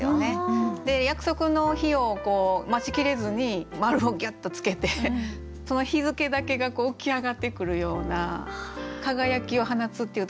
で約束の日を待ちきれずに丸をギュッと付けてその日付だけが浮き上がってくるような「輝きを放つ」っていうところがね